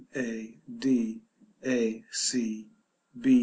a. d. a. c.